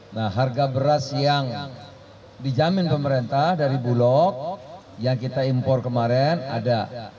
nah harga beras yang dijamin pemerintah dari bulog yang kita impor kemarin ada